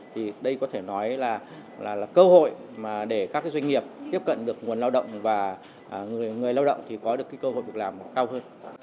thì đây có thể nói là cơ hội để các doanh nghiệp tiếp cận được nguồn lao động và người lao động có cơ hội được làm cao hơn